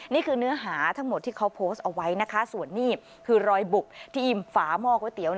นี่คือเนื้อหาทั้งหมดที่เขาโพสต์เอาไว้นะคะส่วนนี่คือรอยบุกที่ฝาหม้อก๋วยเตี๋ยว